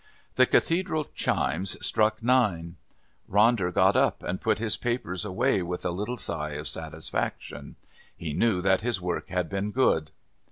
The Cathedral chimes struck nine. Ronder got up and put his papers away with a little sigh of satisfaction. He knew that his work had been good.